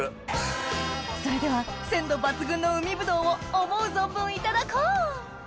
それでは鮮度抜群の海ぶどうを思う存分いただこう！